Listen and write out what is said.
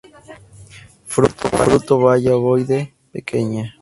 Fruto baya ovoide, pequeña".